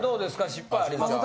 失敗ありますか？